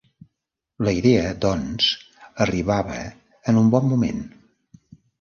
La idea doncs, arribava en un bon moment.